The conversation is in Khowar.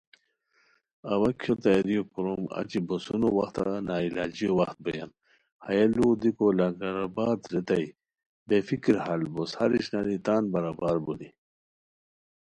اوا کھیو تیاری کوروم اچی بوسونو وختہ نا علاجیو وخت بویان ہیہ لوؤ دیکو لنگرآباد ریتائے بے فکر ہال بوس ہر اشناری تان برابر بونی